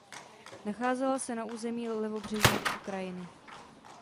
Nacházela se na území levobřežní Ukrajiny.